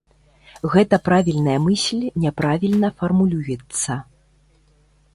Гэта правільная мысль няправільна фармулюецца.